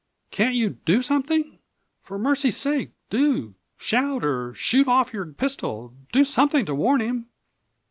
"Can't you do something? For mercy's sake do! Shout, or shoot off your pistol do something to warn him!"